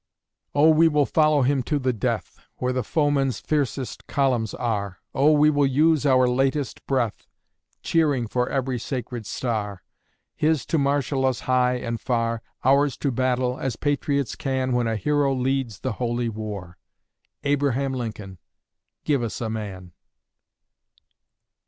O, we will follow him to the death, Where the foeman's fiercest columns are! O, we will use our latest breath, Cheering for every sacred star! His to marshal us high and far; Ours to battle, as patriots can When a Hero leads the Holy War! Abraham Lincoln, give us a MAN!